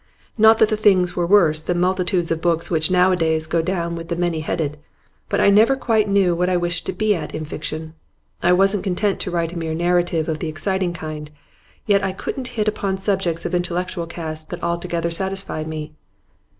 Not that the things were worse than multitudes of books which nowadays go down with the many headed. But I never quite knew what I wished to be at in fiction. I wasn't content to write a mere narrative of the exciting kind, yet I couldn't hit upon subjects of intellectual cast that altogether satisfied me.